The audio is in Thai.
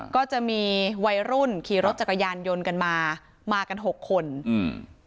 ก็จะมีวัยรุ่นขี่รถจักรยานยนต์กันมามากันหกคนอืม